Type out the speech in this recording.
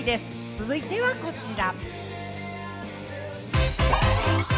続いてはこちら。